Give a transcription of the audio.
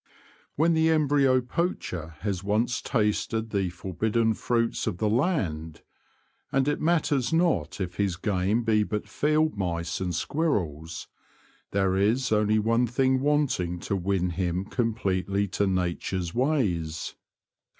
H6C^ the embryo poacher has once tasted the forbidden fruits of the land — and it matters not if his game be but field mice and squirrels — there is only one thing wanting to win him completely to Nature's ways.